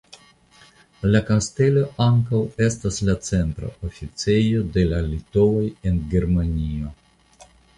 La kastelo ankaŭ estas la centra oficejo de la Litovoj en Germanio.